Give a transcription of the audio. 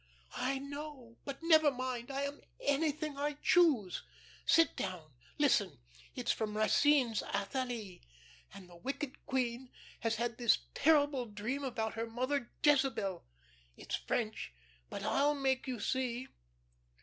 "I know but never mind. I am anything I choose. Sit down; listen. It's from Racine's 'Athalie,' and the wicked queen has had this terrible dream of her mother Jezabel. It's French, but I'll make you see."